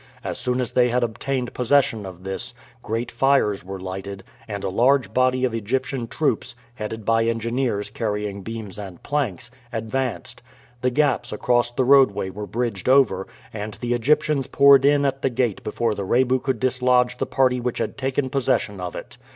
As soon as they had obtained possession of this, great fires were lighted, and a large body of Egyptian troops, headed by engineers carrying beams and planks, advanced. The gaps across the roadway were bridged over, and the Egyptians poured in at the gate before the Rebu could dislodge the party which had taken possession of it.